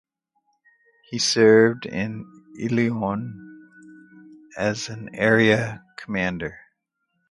He served in Ilorin as an area commander.